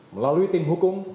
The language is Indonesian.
melalui tim hukum